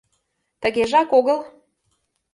— Тыгежак огыл.